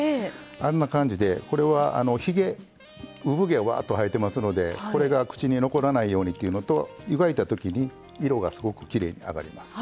あんな感じでこれはひげうぶ毛わっと生えてますのでこれが口に残らないようにっていうのと湯がいたときに色がすごくきれいにあがります。